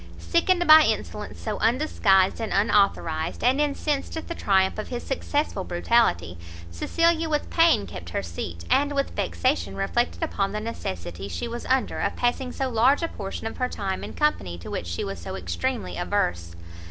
Sickened by insolence so undisguised and unauthorised, and incensed at the triumph of his successful brutality, Cecilia with pain kept her seat, and with vexation reflected upon the necessity she was under of passing so large a portion of her time in company to which she was so extremely averse.